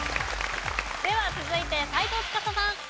では続いて斎藤司さん。